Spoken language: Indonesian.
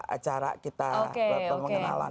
acara kita buat pemengetahuan